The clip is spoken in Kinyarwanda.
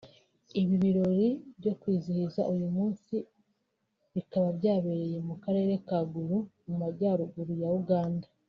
Ibirori byo kwizihiza uyu munsi bikaba byabereye mu karere ka Gulu mu majyaruguru ya Uganda